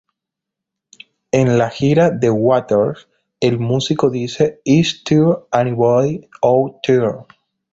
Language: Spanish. En la gira de Waters, el músico dice "Is there anybody out there?